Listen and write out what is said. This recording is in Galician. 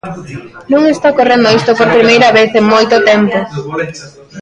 Non está ocorrendo isto por primeira vez en moito tempo.